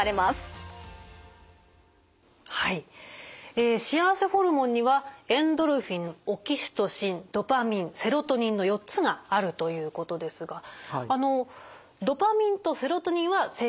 え幸せホルモンにはエンドルフィンオキシトシンドパミンセロトニンの４つがあるということですがあのドパミンとセロトニンは正確にはホルモンではないということですね？